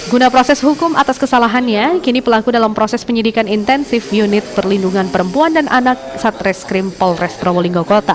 guna proses hukum atas kesalahannya kini pelaku dalam proses penyelidikan intensif unit perlindungan perempuan dan anak satres krim polres probo linggo kota